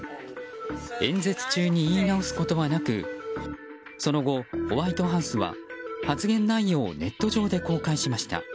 演説中に言い直すことはなくその後、ホワイトハウスは発言内容をネット上で公開しました。